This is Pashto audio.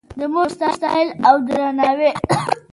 د مور ستایل او درناوی